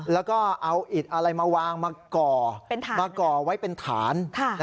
แล้วก็เอาอิดอะไรมาวางมาก่อมาก่อไว้เป็นฐาน